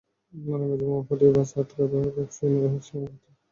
নারায়ণগঞ্জে বোমা ফাটিয়ে বাস আটকে ব্যবসায়ী নুরুল ইসলামকে হত্যার ঘটনায় মামলা হয়েছে।